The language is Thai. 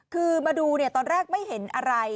คือมาดูตอนแรกไม่เห็นอะไร